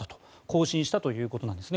更新したということです。